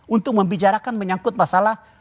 untuk membicarakan menyangkut masalah